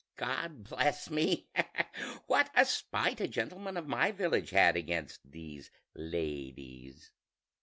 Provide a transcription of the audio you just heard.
God bless me! what a spite a gentleman of my village had against these ladies!"